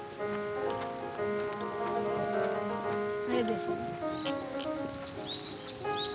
あれです。